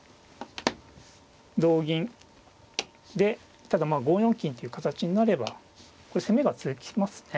同銀でただまあ５四金っていう形になればこれ攻めが続きますね。